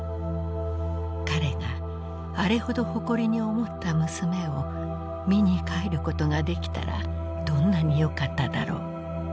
彼があれほど誇りに思った娘を見に帰ることができたらどんなによかっただろう。